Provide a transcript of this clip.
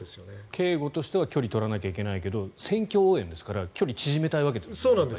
警護としては距離を取らないといけないけど選挙応援ですから距離を縮めたいわけですよね。